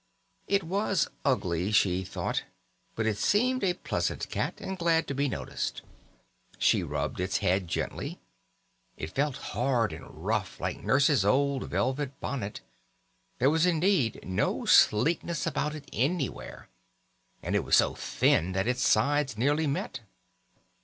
It was ugly, she thought, but it seemed a pleasant cat and glad to be noticed. She rubbed its head gently. It felt hard and rough like Nurse's old velvet bonnet; there was indeed no sleekness about it anywhere, and it was so thin that its sides nearly met.